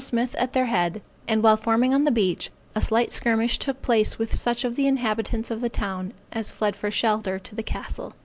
Smith at their head; and while forming on the beach a slight skirmish took place with such of the inhabitants of the town, as fled for shelter to the castle.